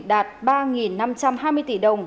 đạt ba năm trăm hai mươi tỷ đồng